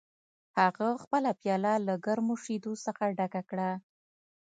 هغه خپله پیاله له ګرمو شیدو څخه ډکه کړه